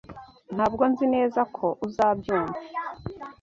Ntabwo nzi neza ko uzabyumva.